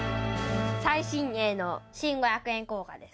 最新鋭の新五百円硬貨です。